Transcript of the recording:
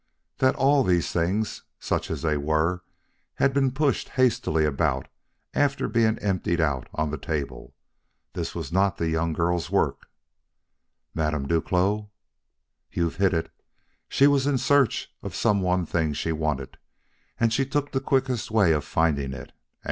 "That all these things, such as they were, had been pushed hastily about after being emptied out on the table. That was not the young girl's work." "Madame Duclos'!" "You've hit it. She was in search of some one thing she wanted, and she took the quickest way of finding it.